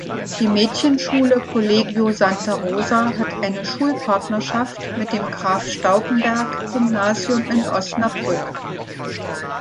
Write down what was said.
Die Mädchenschule "Colegio Santa Rosa" hat eine Schulpartnerschaft mit dem Graf-Stauffenberg-Gymnasium in Osnabrück.